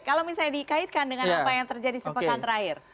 kalau misalnya dikaitkan dengan apa yang terjadi sepekan terakhir